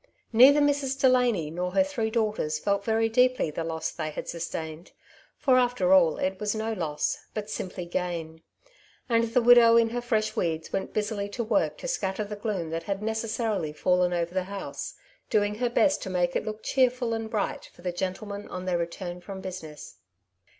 Neither Mrs. Delahy nor her three daughters felt very deeply the loss they had sustained, for after all it was no loss, but simply gain ; and the widow in her fresh weeds went busily to work to scatter the gloom that had necessarily fallen over the house, doing her best to make it look cheerful and bright for the gentlemen on their return from business.